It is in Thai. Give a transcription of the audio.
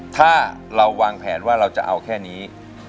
ถ้าเราวางแผนว่าเราจะเอาแค่นี้